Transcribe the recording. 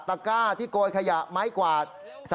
ก้าที่โกยขยะไม้กวาด